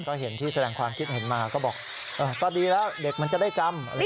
ก็เห็นที่แสดงความคิดเห็นมาก็บอกก็ดีแล้วเด็กมันจะได้จำ